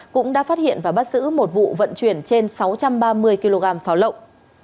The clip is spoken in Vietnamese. cũng đã phát hiện và bắt giữ một vụ vận chuyển trên sáu trăm ba mươi kg pháo lộng